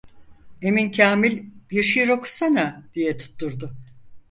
"Emin Kâmil, bir şiir okusana" diye tutturdu.